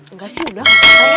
enggak sih udah